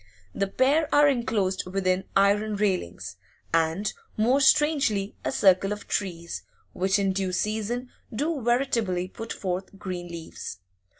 The pair are enclosed within iron railings, and, more strangely, a circle of trees, which in due season do veritably put forth green leaves.